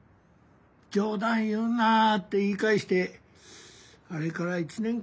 「冗談言うな！」って言い返してあれから１年か。